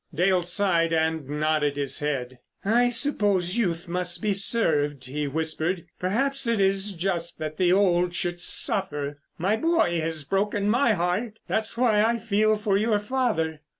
Dale sighed and nodded his head. "I suppose youth must be served," he whispered. "Perhaps it's just that the old should suffer. My boy has broken my heart—that's why I feel for your father."